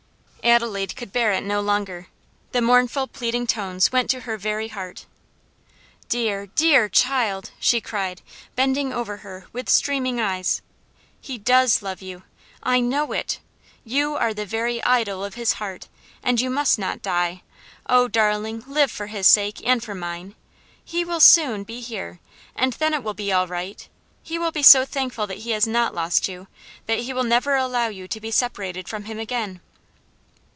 Adelaide could bear it no longer; the mournful, pleading tones went to her very heart. "Dear, dear child," she cried, bending over her with streaming eyes, "he does love you! I know it. You are the very idol of his heart; and you must not die. Oh, darling, live for his sake, and for mine. He will soon, be here, and then it will be all right; he will be so thankful that he has not lost you, that he will never allow you to be separated from him again."